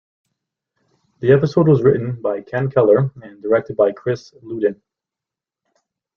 The episode was written by Ken Keeler and directed by Chris Louden.